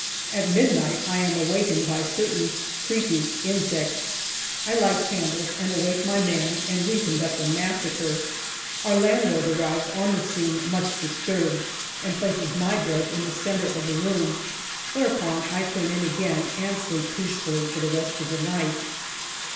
At midnight I am awakened by certain creepy insects. I light candles and awake my man, and we conduct a massacre. Our landlord arrives on the scene much disturbed, and places my bed in the centre of the room, whereupon I turn in again and sleep peacefully for the rest of the night.